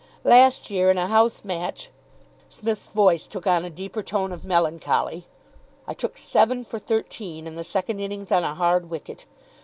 Last year, in a house match" Psmith's voice took on a deeper tone of melancholy "I took seven for thirteen in the second innings on a hard wicket.